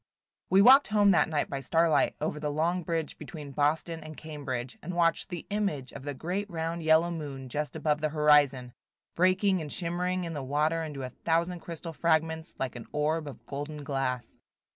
WE walked home that night by starlight, over the long bridge between Boston and Cambridge, and watched the image of the great round yellow moon just above the horizon, breaking and shimmering in the water into a thousand crystal fragments, like an orb of golden glass.